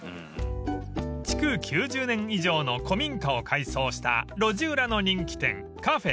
［築９０年以上の古民家を改装した路地裏の人気店］